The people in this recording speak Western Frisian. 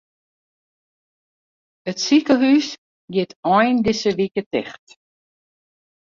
It sikehús giet ein dizze wike ticht.